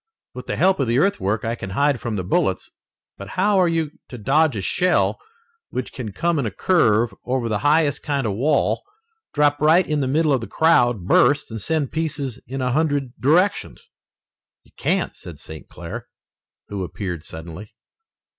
With the help of the earthwork I can hide from the bullets, but how are you to dodge a shell which can come in a curve over the highest kind of a wall, drop right in the middle of the crowd, burst, and send pieces in a hundred directions?" "You can't," said St. Clair, who appeared suddenly.